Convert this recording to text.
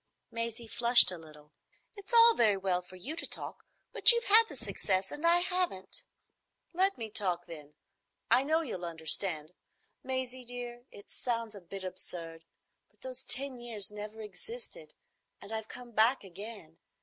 Maisie flushed a little. "It's all very well for you to talk, but you've had the success and I haven't." "Let me talk, then. I know you'll understand. Maisie, dear, it sounds a bit absurd, but those ten years never existed, and I've come back again.